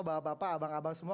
bapak bapak abang abang semua